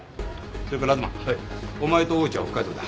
それから東お前と大内は北海道だ